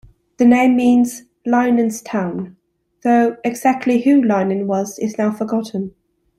The name means "Lynan's town", though exactly who Lynan was is now forgotten.